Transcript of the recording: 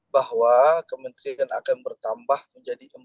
bahwa kementerian akan bertambah menjadi empat